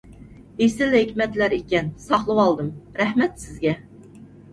ئېسىل ھېكمەتلەر ئىكەن، ساقلىۋالدىم. رەھمەت سىزگە!